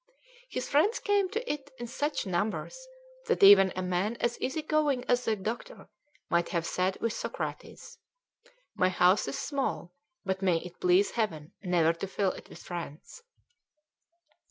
His friends came to it in such numbers that even a man as easy going as the doctor might have said with Socrates, "My house is small, but may it please Heaven never to fill it with friends!"